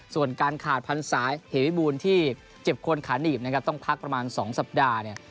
ส่วนการขาดพันธุ์สายเหตุวิบูลที่เจ็บคนขาหนีบต้องพักประมาณ๒สัปดาห์